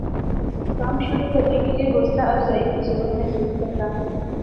کام شروع کرنے کے لیے حوصلہ افزائی کی ضرورت محسوس کرتا ہوں